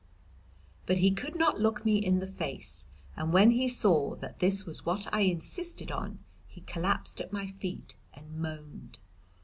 But he could not look me in the face, and when he saw that this was what I insisted on he collapsed at my feet and moaned.